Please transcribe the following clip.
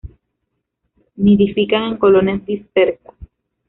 Nidifican en colonias dispersas.